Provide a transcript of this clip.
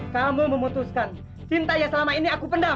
kamu memutuskan cintanya selama ini aku pendam